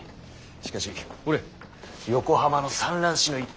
しかしほれ横浜の蚕卵紙の一件。